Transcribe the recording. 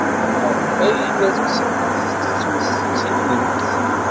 Maɣef ay la tt-tettmestinemt?